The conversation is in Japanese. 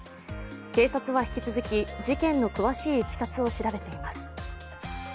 警察は引き続き、事件の詳しいいきさつを調べています。